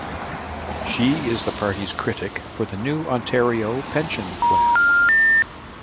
She is the party's critic for the new Ontario Pension Plan.